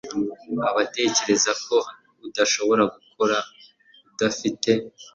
batekereza ko udashobora gukora udafite